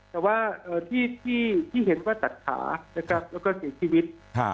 แต่ว่าที่เห็นว่าตัดขานะครับแล้วก็เสียชีวิต